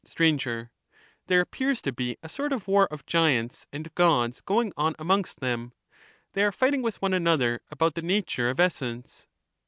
Str, There appears to be a sort of war of Giants and Gods going on amongst them ; they are fighting with one another about the nature of essence.